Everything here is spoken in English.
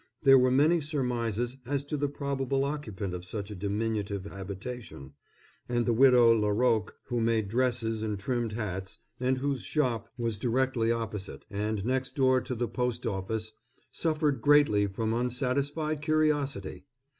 There were many surmises as to the probable occupant of such a diminutive habitation; and the widow Laroque, who made dresses and trimmed hats, and whose shop was directly opposite, and next door to the Post Office, suffered greatly from unsatisfied curiosity.